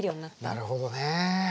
なるほどね。